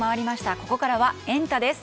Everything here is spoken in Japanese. ここからはエンタ！です。